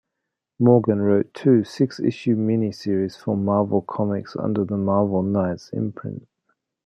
Morgan wrote two six issue miniseries for Marvel Comics under the Marvel Knights imprint.